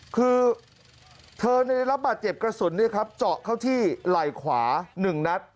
คือเธอได้รับบาดเจ็บกระสุนเจาะเข้าที่ไหล่ขวา๑นัด